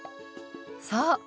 そう。